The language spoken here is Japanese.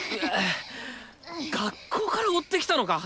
学校から追ってきたのか！？